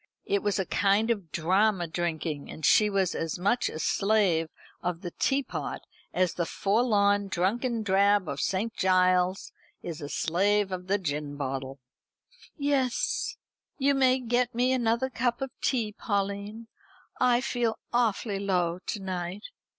It was a kind of drama drinking, and she was as much a slave of the teapot as the forlorn drunken drab of St. Giles's is a slave of the gin bottle. "Yes, you may get me another cup of tea, Pauline. I feel awfully low to night."